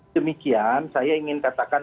demikian saya ingin katakan